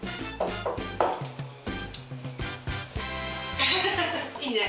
アハハハいいね。